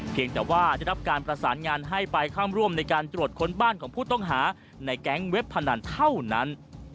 แต่ว่าได้รับการประสานงานให้ไปเข้าร่วมในการตรวจค้นบ้านของผู้ต้องหาในแก๊งเว็บพนันเท่านั้น